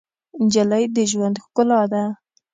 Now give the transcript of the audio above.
نجلۍ د ژوند ښکلا ده.